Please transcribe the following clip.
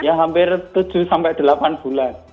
ya hampir tujuh sampai delapan bulan